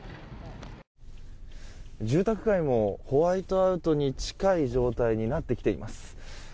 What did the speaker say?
住宅街もホワイトアウトに近い状態になってきています。